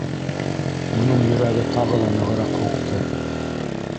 Уның йөрәге тағы ла нығыраҡ һуҡты.